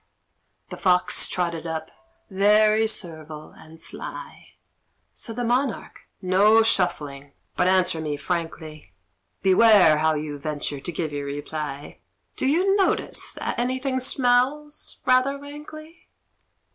The Fox trotted up, very servile and sly; Said the monarch, "No shuffling, but answer me frankly; Beware how you venture to give your reply: Do you notice that anything smells rather rankly?"